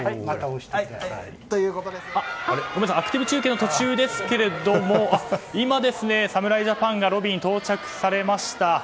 アクティブ中継の途中ですけど今、侍ジャパンがロビーに到着されました。